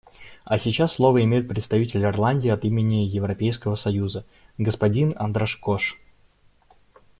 А сейчас слово имеет представитель Ирландии от имени Европейского союза — господин Андраш Кош.